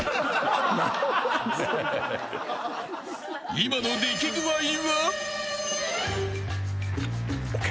［今の出来具合は？］ＯＫ。